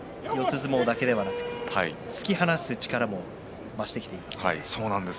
相撲だけではなく突き放す力も増してきています。